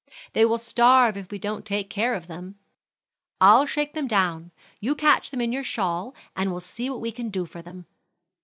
"They will starve if we don't take care of them. I'll shake them down; you catch them in your shawl and we'll see what we can do for them."